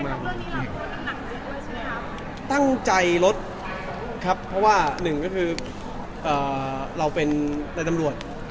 แต่ก็ตั้งใจลดครับก็ว่าหนึ่งก็คือเราเป็นตำรวจ